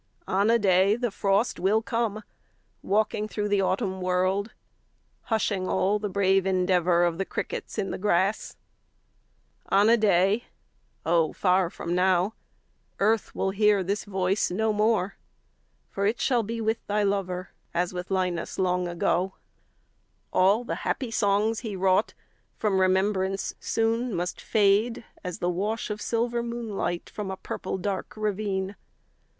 On a day the frost will come, 5 Walking through the autumn world, Hushing all the brave endeavour Of the crickets in the grass. On a day (Oh, far from now!) Earth will hear this voice no more; 10 For it shall be with thy lover As with Linus long ago. All the happy songs he wrought From remembrance soon must fade, As the wash of silver moonlight 15 From a purple dark ravine.